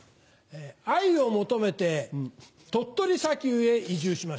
愛を求めて鳥取砂丘へ移住しました。